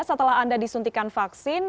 setelah anda disuntikan vaksin